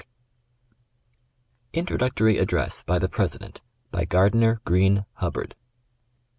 INTRODUCTORY ADDRESS. By the President, Mr. Gardiner G. Hubbard.